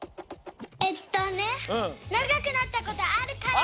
えっとねながくなったことあるから！